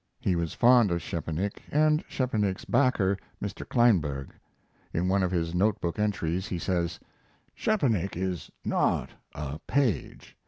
He was fond of Szczepanik and Szczepanik's backer, Mr. Kleinburg. In one of his note book entries he says: Szczepanik is not a Paige.